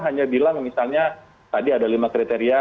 hanya bilang misalnya tadi ada lima kriteria